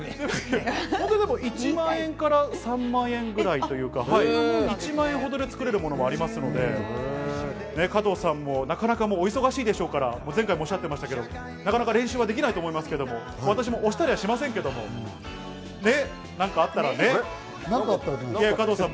でも１万円から３万円ぐらいというか、１万円ほどでつくれるものもありますので、加藤さんもなかなかお忙しいでしょうから前回もおっしゃってましたけど、なかなか練習できないと思いますけど、何かあったら、加藤さんも。